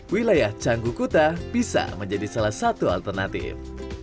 wilayah canggu kuta bisa menjadi salah satu alternatif